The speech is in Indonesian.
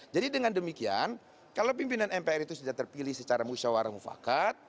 jadi dengan demikian kalau pimpinan mpr itu sudah terpilih secara usyawarah mufakat